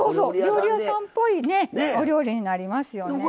料理屋さんっぽいお料理になりますよね。